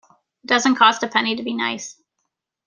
It doesn't cost a penny to be nice.